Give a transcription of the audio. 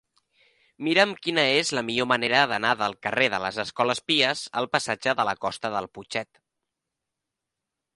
Mira'm quina és la millor manera d'anar del carrer de les Escoles Pies al passatge de la Costa del Putxet.